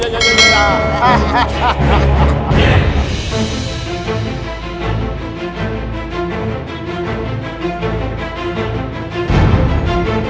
banyak seseorang suka galau